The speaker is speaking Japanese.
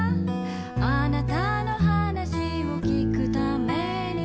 「あなたの話を聞くために」